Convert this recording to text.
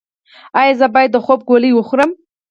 ایا زه باید د خوب ګولۍ وخورم؟